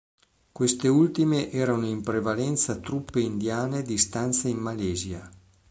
Queste ultime erano in prevalenza truppe indiane di stanza in Malesia.